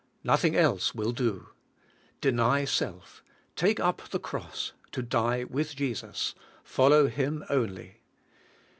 Nothing else will do. Deny self; take up the cross, to die with Jesus; follow Him onl}'.